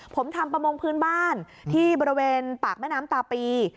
ผมทำประมงพื้นบ้านที่บริเวณปากแม่น้ำตาปี